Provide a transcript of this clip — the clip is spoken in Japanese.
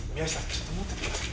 ちょっと持っててください。